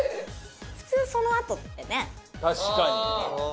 普通そのあとってねえ？